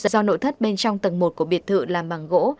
do nội thất bên trong tầng một của biệt thự làm bằng gỗ